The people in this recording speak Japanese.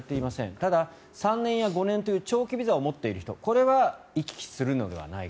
ただ、３年や５年という長期ビザを持っている人これは行き来するのではないか。